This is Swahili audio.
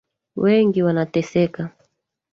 Wengi wanateseka.